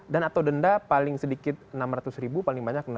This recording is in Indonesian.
dan atau denda paling sedikit enam ratus ribu paling banyak enam juta